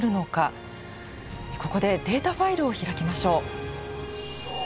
ここでデータファイルを開きましょう。